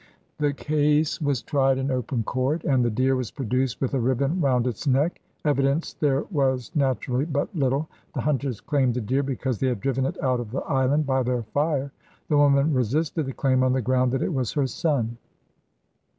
The case was tried in open court, and the deer was produced with a ribbon round its neck. Evidence there was naturally but little. The hunters claimed the deer because they had driven it out of the island by their fire. The woman resisted the claim on the ground that it was her son.